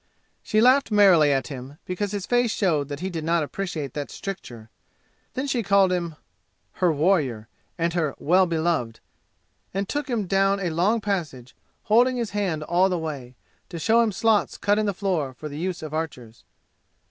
She laughed merrily at him because his face showed that he did not appreciate that stricture. Then she called him her Warrior and her Well beloved and took him down a long passage, holding his hand all the way, to show him slots cut in the floor for the use of archers.